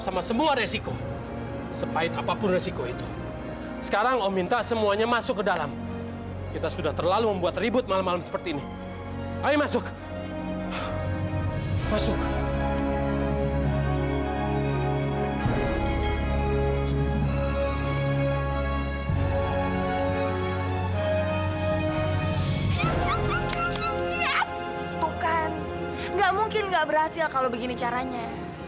sampai jumpa di video selanjutnya